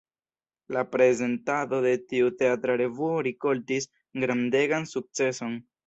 La prezentado de tiu teatra revuo rikoltis grandegan sukceson.